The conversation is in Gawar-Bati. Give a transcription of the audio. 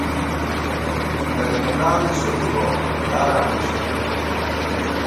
کریم اللہ بی څھُوٹُووَہ ، داراں دی شہید بُوَہ